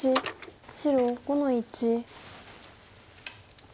白５の一。